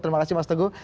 terima kasih mas teguh